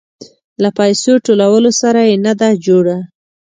له پيسو ټولولو سره يې نه ده جوړه.